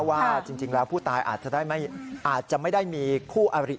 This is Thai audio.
ว่าจริงแล้วผู้ตายอาจจะได้อาจจะไม่ได้มีคู่อริ